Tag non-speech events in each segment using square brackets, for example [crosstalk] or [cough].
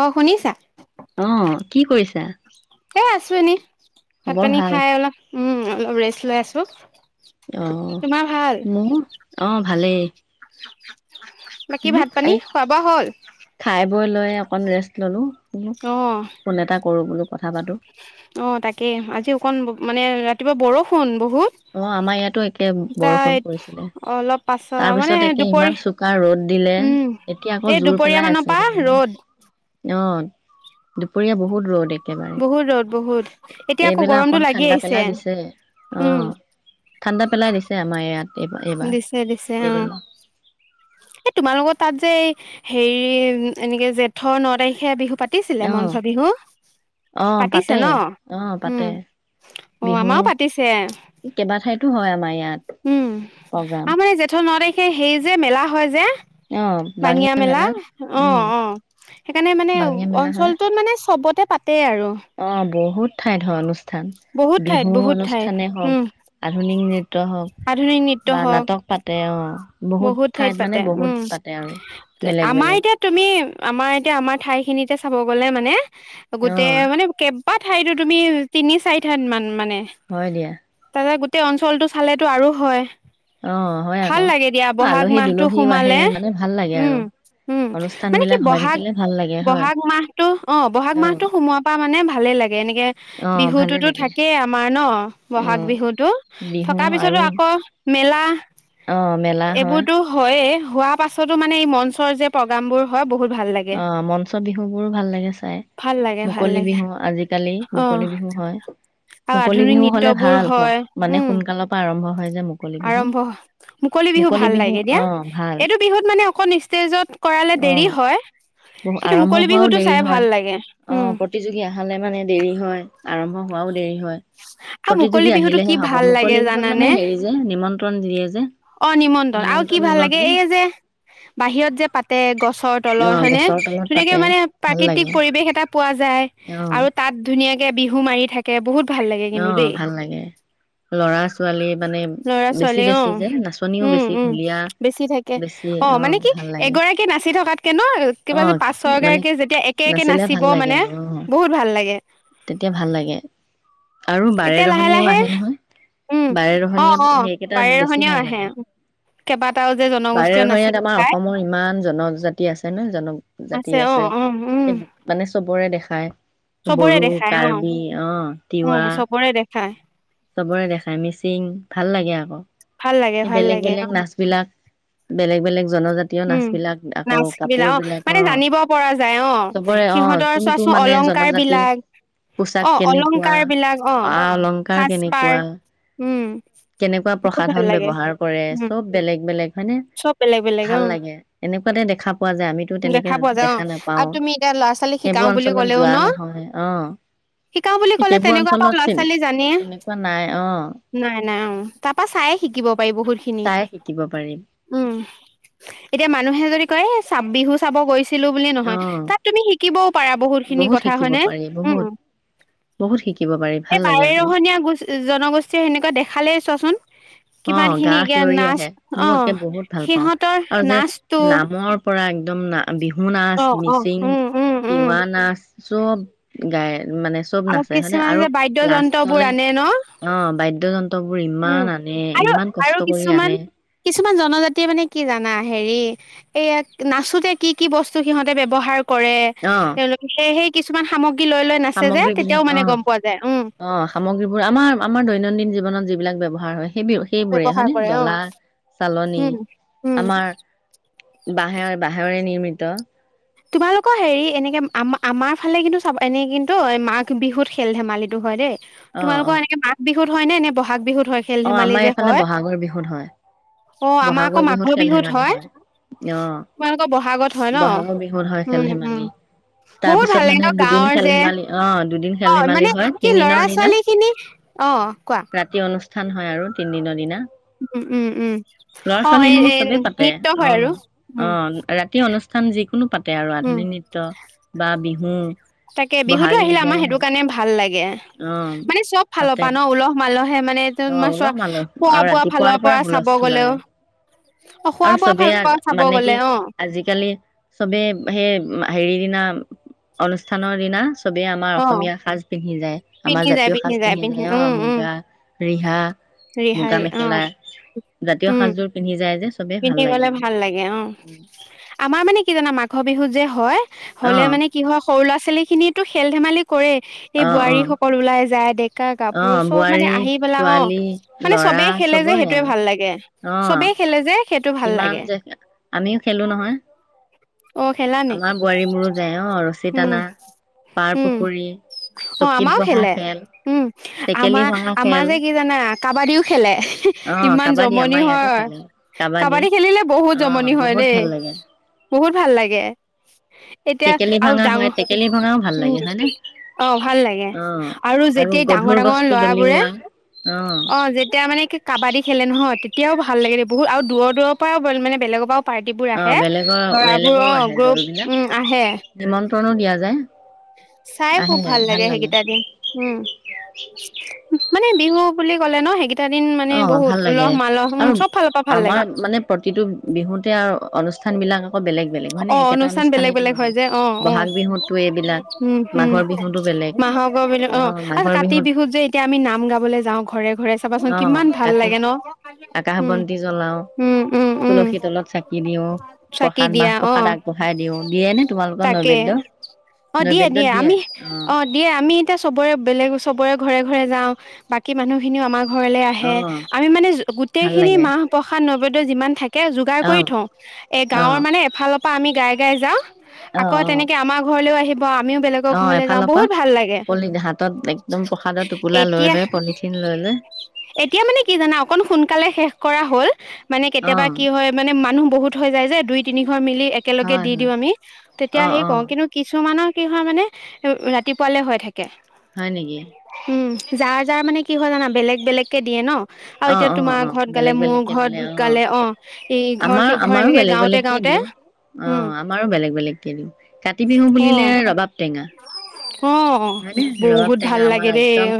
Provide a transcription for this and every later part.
অ', শুনিছা? কি কৰিছা? আছো এনে। ভাত পানী খাই অলপ। উম, অলপ ৰেষ্ট লৈ আছোঁ। অহ, মোৰ অহ, ভালেই। [inaudible] বাকী ভাত পানী, খোৱা বোৱা হ'ল? অকণ ৰেষ্ট ল'লোঁ। অ', অ', তাকেই আজি অকণ মানে ৰাতি কিবা বৰষুণ বহু অ', আমাৰ ইয়াতো একে বৰষুণ পৰিছিলে তাৰপিছত একে ইমান চোকা ৰ'দ দিলে এতিয়া আকৌ জোৰ পেলাই আছে যো অ', দুপৰীয়া বহুত ৰ'দ। বহুত ৰ'দ বহুত এতিয়া আকৌ গৰমটো লাগি আহিছে, উম। ঠাণ্ডা পেলাই দিছে আমাৰ দিছে, দিছে অ'। এ তোমালোকৰ তাত যে এই হেৰি এনেকে জেঠ ন' তাৰিখে বিহু পাতিছিলে মঞ্চ বিহু পাতিছে ন' উম, অ', আমাৰো পাতিছে। উম', আমাৰ জেঠাও নোৱাৰে। সেই- সেই যে মেলা হয় যে। বাঙিয়া মেলা অহ', - অহ', সেইকাৰণে মানে অঞ্চলটোত মানে চবতে পাতে। অহ', বহুত। ঠাইত হয় অনুচ স্থান বিহু অনুষ্ঠানেই হওক, আধুনিক নৃত্য হওক বা নাটক পাতে। অহ', বহুত ঠাইত পাতে উম', আমাৰ এতিয়া তুমি? আমাৰ এতিয়া আমাৰ ঠাই খিনিতে চাব গ'লে মানে গোটেই মানে কেবাত ঠাইতটো তুমি তিনি চাৰি ঠান মান মানে। তাদ গ টেই অঞ্চলটো চালেতো আৰু হয়। অহ', হয় আকৌ। বহাগ মাহতটো সোমালে উম - উম মানে কি বহাগ বহাগ মাহতটো অহ', বহাগ মাহতটো সোমোৱাৰ পৰা মানে ভালে লাগে এনেকে বিহুতটোতো থাকেই আমাৰ ন বহাগ বিহুতো থকাৰ পিছতো আকৌ মেলা অহ ', এইবোৰতো হয়ে। হোৱা পাছতো মানে এই মঞ্চৰ যে প্ৰগ্ৰাম বোৰ হয় বহুত। অহ', মঞ্চ বিহু বোৰো ভাল লাগে চাই মুকলি বিহু আজিকালি মুকলি বিহু হয় মুকলি বিহু হলে ভাল হ মানে সোনকালৰ পৰা আৰম্ভ। আৰম্ভ মুকলি বিহু ভাল লাগে দিয়া এইটো বিহুত মানে অক ষ্টেজত কৰালে দেৰি হয়। বু আৰম্ভ হোৱাও দেৰি হয় অহ', প্ৰতিযোগী আহালে মানে দেৰি হয়। আৰম্ভ হোৱাও দেৰি হয়। প্ৰতিযোগী আহিলেহে হব মুকলি বিহু মানে হেৰি যে নিমন্ত্ৰণ। দিয়ে যে অহ', নিমন্ত্ৰন আৰু কি ভাল লাগে, এই যে বাহিৰত যে পাতে গছত তলত হয়নে ধুনাকে মানে প্ৰাকৃতিক পৰিবেশ এটা পোৱা যায় আৰু তাত ধুনীয়াকে বিহু মাৰি থাকে বহুত। অহ', ভাল লাগে, লৰা ছোৱালী মানে বেছি - বেছি যে নাচ উম - উম বেছি থাকে অহ', মানে কি এগৰাকীয়ে নাচি থকাতকে ন কিবা যে পাঁচ ছগৰাকীয়ে যেতিয়া একে - একে নাচিব মানে বহুত ভাল লাগে। আৰু বাৰে ৰহনীয়াও আহে নহয় বাৰে ৰহনীয়া সেইকেইটাত বেছি ভাল লাগে। বাৰে ৰহনীয়া আমাৰ অসমৰ ইমান জনজাতি আছে নহয় জনজাতি আছে সেই মানে চব চবৰে দেখায়। বড়ো কাৰ্বি অ'। উম, চবৰে দেখ খাই চবৰে দেখায়, মিচিং ভাল লাগে আকৌ। ভাল লাগে, ভাল লাগে অ'। বেলেগ বেলেগ উম, নাচ বিলাক অ', মানে জানিব পৰা যায় অ', সিহঁতৰ চোৱাচোন অলংকাৰ বিলাক অ', অলংকাৰ বিলাক অ', সাজপাৰ উম। কেনেকুৱা প্ৰসাধন ব্যৱহাৰ কৰে চব বেলেগ বেলেগ হয়, নে? ভাল লাগে এনেকুৱাতে দেখা পোৱা যায় আমিত দেখা পোৱা যায় অহ, আৰু তুমি এতিয়া ল'ৰা ছোৱালীক শিকাও বুলি ক'লেও ন? শিকাও বুলি ক'লে তেনেকুৱা পৰা ল'ৰা ছোৱালী জানি নাই, নাই তাপা চায়ে শিকিব পাৰি বহুত। উম, এতিয়া মানুহে যদি [unintelligible] চাপ বিহু চাব গৈছ ছিলো বুলিয়ে নহয়, তাত তুমি শিকিবও পাৰা বহুত খিনি কথা হয়নে? উম, এই বাৰেৰহনীয়া গো জনগোষ্ঠীয়ে সেনেকুৱা দেখালেই চোৱাচোন। অ', গা শিয়ৰি আহে মোৰ একে বহুত ভাল পাওঁ আৰু যে, নামৰ পৰা একদম [unintelligible] বিহু নাচ, মিচিং, তিৱা নাচ চব গায় মানে চব নাচে হয়নে? আৰু লাষ্টটলে অ', বাদ্যযন ফবোৰ ইমান আন আৰু আৰু কিছুমান কিছুমান জনজাতিয়ে মানে কি জানা হেৰি এয়া নাচোতে কি কি বস্তু সিহঁতে ব্যৱহাৰ কৰে তেওঁলোকে সেই, সেই কিছুমান সামগ সামগ্ৰী বিলাক অ', অ', সামগ্ৰীবোৰ আমাৰ আমাৰ দৈনন্দিন জী জীৱনত যিবিলাক ব্যৱহাৰ হয় সেইব সেইবোৰে হয়নে? ডলা, চালনী আমাৰ বাঁহৰ বাঁহৰে নিৰ্মিত। তোমালোকৰ হেৰি এনেকে আম আমাৰ ফালে কিন্তু চাব এনে কিন্তু মাঘ বিহুত খেল ধেমালিটো হয়, দেই। তোমালোকৰ এনেকে মাঘ বিহ বিহুত হয়, নে? বহাগ বিহুত হয়, খেল ধেমালি যে, হয়? অ', আমাৰ আকৌ মাঘৰ বিহুত হয়? তোমালোকৰ বহাগত হয়, ন? হুত হয়, খেল ধেমালি, তাৰপিছত মানে দুদিন খেল ধেমালি অ'। অ', মানে কি ল'ৰা ছোৱালীখিনি, অ' কোৱা। স্থান হয়, আৰু তিনদিনৰ দিনা। উম, উম, উম, অ', এই-এই নৃত্য হয়, আৰু উম। স্থান যিকোনো পাত উম। তাকে বিহুতো আহিলে আমাৰ সেটো কাৰ্ণে ভাল লাগে। মানে সব ফালৰ পা ন, উলহ মালহ। হে মানে তোমা চোৱা, খোৱা-বোৱা ফালৰ পৰা চাব গ'লেও। অ', খোৱা-বোৱা ফালৰ পৰা চাব গলে, অ'। সবে হেই, হেৰি দিনা, অনুষ্ঠানৰ দিনা সবেই আমাৰ অসমীয়া সাজ পিন্ধি যায়। আমাৰ জাতীয় সাজ পিন্ধি যায়, অ' মুগা। ৰিহা, মুগা-মেখেলা, জাতীয় সাজযোৰ পিন্ধি যায়। পিন্ধি গ'লে ভাল লাগে অ'। আমাৰ মানে কি জানা, মা [unintelligible] বিহুত যে হয় হ'লে মানে কি হক সৰু ল'ৰা-ছোৱালী খিনিয়েতো খেল-ধেমালি কৰে। এই বোৱাৰী সকল ওলাই যায়, ডেকা গাভৰু সব মানে আহি পেলা, অ', মানে সবেই খেলে যে সেটোৱে ভাল লাগে। চবেই খেলে যে। কিমান যে। আমিও খেলো নহয়। [inaudible] অ' খেলানে? উম, উম, অ', আমাও খেলে। উম, আমা, আমাৰ যে কি জানা, কাবাডীও খেলে। ইমান জমনি হয়। কাবাডী খেলিলে বহুত জমনি হয় দেই। বহুত ভাল লা [unintelligible] এতিয়া আৰু ডাঙ, ও, অ', ভাল লাগে। আৰু যেতিয়া ডাঙৰ-ডাঙৰ ল'ৰাবোৰে, অ', যেতিয়া মানে কি কাবাডী খেলে নহয়, তে এতিয়াও ভাল লাগে দে বহুত আও দূৰ দূৰ পাও বেল- মানে বেলেগৰ পাও পাৰ্টিবোৰ আহে, ল'ৰাবোৰ গ্ৰ'প ও আহে। চাই খুব ভাল লাগে হেগিটা দিন, উম, মানে বিহু বুলি ক'লে ন হেগি টাদিন মানে বহুত উলহ মালহ উম, চব ফাল পা আমাৰ মানে প্ৰতিটো বিহুতে আৰু অনুষ্ঠান বিলাক অ' অনুষ্ঠান বেলেগ বেলেগ হয় যে অ', অ' উম, হম মাহাগ বিলুত অ' আৰু কাতি বিহুত যে এতিয়া আমি নাম গাবলৈ যাওঁ ঘৰে ঘৰে। চাবাচোন কিমান ভাল লাগে ন? উ, উম, উম, উম চাকি দিয়া। অঁ তাকে অঁ দিয়ে দিয়ে আমি, অঁ দিয়ে আমি এতিয়া চবৰে বেলেগ চবৰে ঘৰে ঘৰে যাওঁ বাকী মানুহ খিনিও আমাক ঘৰলে আহে আমি মানে গোটেইখিনি মাহ প্ৰসাদ নবদ যিমান থাকে ে যোগাৰ কৰি থওঁ এ গাঁৱৰ মানে এফালৰ পা আমি গাই গাই যাওঁ আকৌ তেনেকে আমাৰ ঘৰলৈও আহিব ব আমিও বেলেগৰ ঘৰলে যাওঁ বহুত ভাল লাগে এতিয়া এতিয়া মানে কি জানা অকন সোনকালে শেষ কৰা হ'ল মানে কেতিয়াবা কি হয় মানে মানুহ বহুত হৈ যায় যে দুই তিনি ঘৰ মিলি একেলগে দি দিওঁ আমি তেতিয়া হে কৰো কিন্তু কিছুমানৰ কি হয়োৱা মানে উ ৰাতিপুৱালে হৈ থাকে ে উম যাৰ জাৰ মানে কি হয় জানা বেলেগ বেলেগকে দিয়ে ন আৰু এতিয়া তোমাৰ ঘৰত গালে মোৰ ঘৰত গালে অ ই ইঘৰ সিঘৰ এনেকে গাওঁতে গাওঁতে অ আমাৰো বেলেগ বেলেগকে দিওঁ কাতি বিহু বুলিলে ৰবাব টেঙা হয়নে ৰবাব টেঙা আমাৰ একদম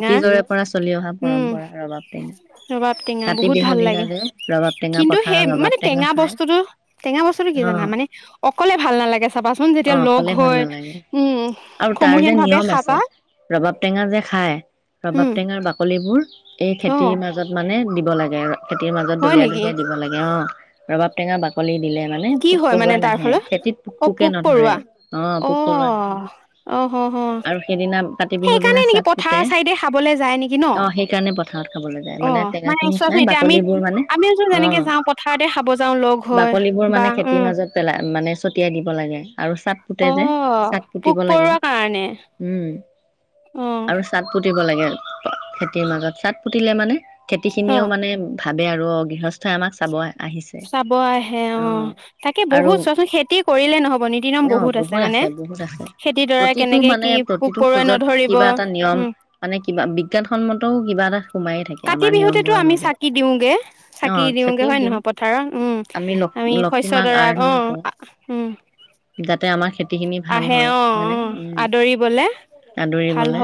অতীজৰে পৰা চলি অহা পৰম্পৰা ৰবাব টেঙা টেঙা বহুত ভাল লাগে কিন্তু সেই মানে টেঙা বস্তুতটো টেঙা বস্তু কি জানা মানে অকলে ভাল নালাগে চাবাচোন যেতিয়া লগ হৈ উম সমূহীয়া ভাৱে খাবা হম এই খেতিৰ মাজত দিব লাগে আৰু খেতিৰ মাজত দলিয় দুলিয়াই দিব লাগে অ ৰবা টেঙা বাকলি দিলে মানে পোক পৰুৱা নাহে খেতিত পোক পোকে নধৰে অ পোক পৰুৱা নাহে আৰু সেইদিনা কাতি বিহুৰ দিনা চাট পুতে অ সেইকাৰণে পথাৰত খাবলৈ যায় মানে টেঙা খিনি খাই বাকলিবোৰ মানে অ বাকলিবোৰ মানে খেতিৰ মাজত পেলাই মানে ছটিয়াই দিব লাগে আৰু চাট ফুতে যে চাট পুতিব লাগে উম আৰু চাটপ পুতিব লাগে, খেতিৰ মাজত চাট পুতিলে মানে খেতি খিনিও মানে ভাবে আৰু গৃহস্থই আমাক চাব চাব আহে অ', তাকে বহুত চোৱাচোন খেতি কৰিলে নহব নীতি নিয়ম বহুত আছে মানে, খেতিৰ দৰা কেনেকে কি পোক পৰুৱাই নধৰিব, উম সোমাই কাতি বিহুতেতো আমি চাকি দিওঁগে, চাকি দিওঁগে হয়ে নহয় পথাৰত, উম, আমি শস্য দৰাক অ', উম। তে আমাৰ খেত তিখিনি ভাল হয় হয়নে, উম, আদৰিবলে,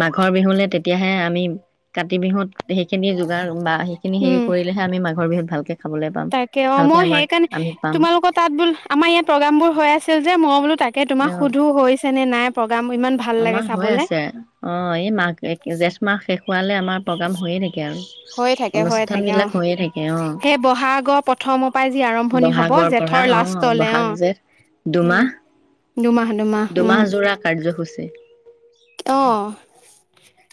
মাঘৰ বিহুলে তেত তেতিয়াহে আমি কাতি বিহুত উম, তাকে অ', মই সেইকাৰণে তোমালোকৰ তাত বোলো আমাৰ ইয়াত প্ৰগ্ৰাম বোৰ হৈ আছিল যে মই বোলো তাকে [unintelligible] তোমাক সুধো হৈছে নে নাই প্ৰগ্ৰাম, ইমান ভাল লাগে চাবলৈ। দেখুৱালে আমাৰ প্ৰগ্ৰাম হৈয়ে থাকে আৰু। হৈ থাকে হৈ থাকে, অ', সেই বহাগৰ প্ৰথমৰ পৰা যি আৰম্ভণি হব জেঠৰ লাষ্টলে অ', উম। দুমাহ জোৰা কাৰ্যসূচী। অহ। [inaudible]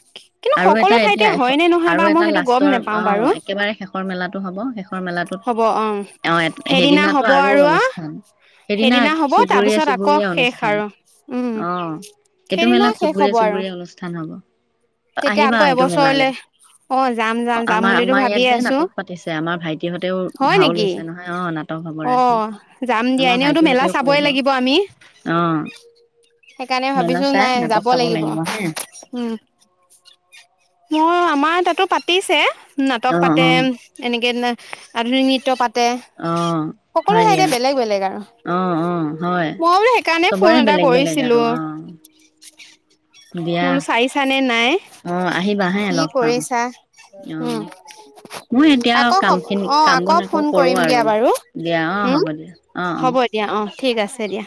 আৰু এটা এতিয়া আৰু এটা লাষ্টৰ আহ, একেবাৰে শেষৰ মেলাটো হব, শেষৰ মেলাটোত আহ, সেইদিনাটো আৰু অনুষ্ঠান। সেইদিনা চুবুৰীয়া চুবুৰীয়া অনুষ্ঠান, অ', এইটো মেলাত চুবুৰীয়া চুবুৰীয়া অনুষ্ঠান হব। আহিবা এইটো মেলালৈ। আমাৰ-আমাৰ ইয়াত যে নাটক পাতিছে আমাৰ ভাইটিহঁতেও ভাও লৈছে নহয়, অ', নাটক হব ৰাতি, আমাৰ ভাইটিহঁতেও কৰিব, অ', মেলা চাই নাটক চাব লাগিব হে [inaudible] অ', আমাৰ তাতো পাতিছে। নাটক পাতে, এনেকে দিনা আধুনিক নৃত্য পাত তে সকলো ঠাইতে বেলেগ বেলেগ আৰু, মই বোলো সেইকাৰণে ফোন এটা কৰিছিলো মোলো চাইছানে নাই। কি কৰিছা? উম, আকৌ হ অ', আকৌ ফোন কৰিম দিয়া বাৰু হম হ'ব দিয়া অ'। ঠিক আছে দিয়া।